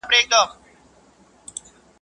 پنډ ئې مه گوره ايمان ئې گوره.